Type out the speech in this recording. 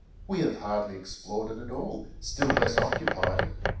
We have hardly explored it all, still less occupied it.